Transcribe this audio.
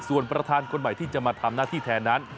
ส่วนประธานคนใหม่ที่จะมาทำหน้าที่แทนนั้น